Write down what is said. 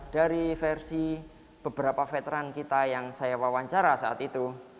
dari versi beberapa veteran kita yang saya wawancara saat itu